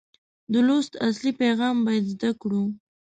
د لوست اصلي پیغام باید زده کړو.